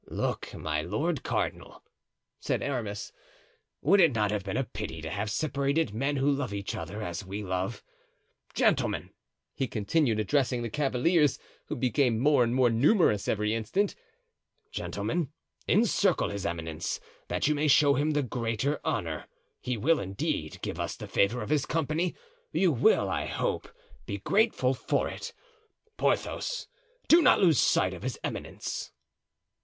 "Look, my lord cardinal," said Aramis, "would it not have been a pity to have separated men who love each other as we love? Gentlemen," he continued, addressing the cavaliers, who became more and more numerous every instant; "gentlemen, encircle his eminence, that you may show him the greater honor. He will, indeed give us the favor of his company; you will, I hope, be grateful for it; Porthos, do not lose sight of his eminence."